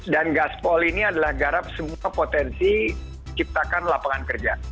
dan gaspol ini adalah garap semua potensi ciptakan lapangan kerja